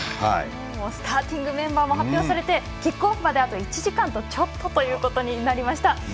スターティングメンバーも発表されてキックオフまであと１時間とちょっととなりました。